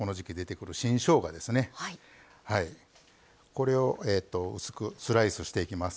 これを薄くスライスしていきます。